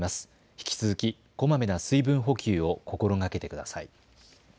引き続きこまめな水分補給を心がけてください。